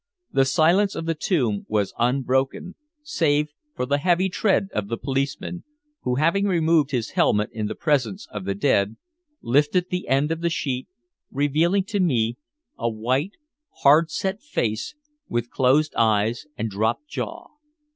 The silence of the tomb was unbroken, save for the heavy tread of the policeman, who having removed his helmet in the presence of the dead, lifted the end of the sheet, revealing to me a white, hard set face, with closed eyes and dropped jaw.